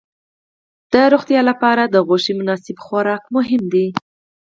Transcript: د روغتیا لپاره د غوښې مناسب خوراک مهم دی.